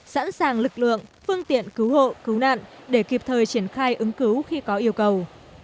sẵn sàng lực lượng phương tiện cứu hộ cứu nạn để kịp thời triển khai ứng cứu khi có yêu cầu